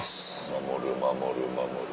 守る守る守る。